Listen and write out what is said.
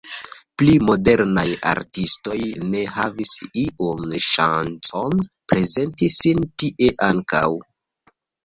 Pli modernaj artistoj ne havis iun ŝancon prezenti sin tie ankaŭ.